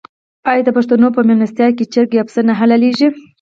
آیا د پښتنو په میلمستیا کې چرګ یا پسه نه حلاليږي؟